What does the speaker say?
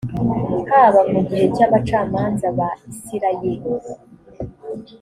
haba mu gihe cy abacamanza ba isirayeli